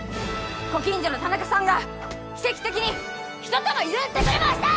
ご近所の田中さんが奇跡的にひと玉譲ってくれました！